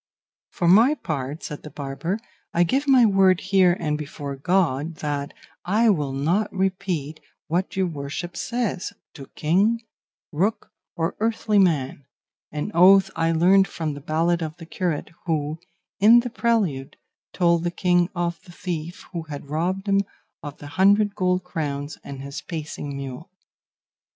"For my part," said the barber, "I give my word here and before God that I will not repeat what your worship says, to King, Rook or earthly man an oath I learned from the ballad of the curate, who, in the prelude, told the king of the thief who had robbed him of the hundred gold crowns and his pacing mule."